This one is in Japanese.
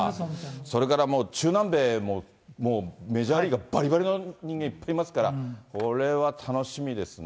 それからもう中南米も、もうメジャーリーガー、ばりばりの人間、いっぱいいますから、これは楽しみですね。